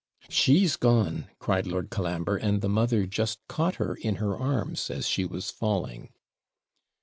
'She's gone!' cried Lord Colambre, and the mother just caught her in her arms as she was falling.